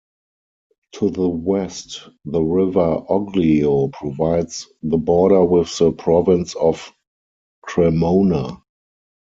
To the west, the River Oglio provides the border with the Province of Cremona.